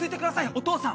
お父さん！